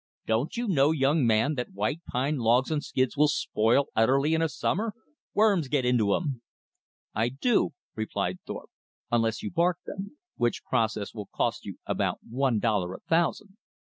"Don't you know, young man, that white pine logs on skids will spoil utterly in a summer? Worms get into em." "I do," replied Thorpe, "unless you bark them; which process will cost you about one dollar a thousand.